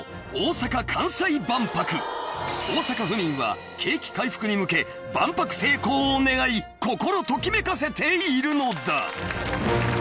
［大阪府民は景気回復に向け万博成功を願い心ときめかせているのだ！］